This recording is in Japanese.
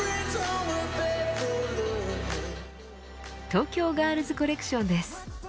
東京ガールズコレクションです。